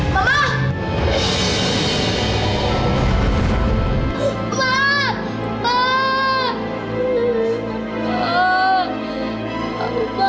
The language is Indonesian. kapan sih kamu sini keluar